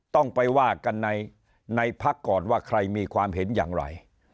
ต้องไปว่ากันในพักก่อนว่าใครมีความเห็นอย่างไร